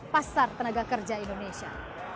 pasar tenaga kerja indonesia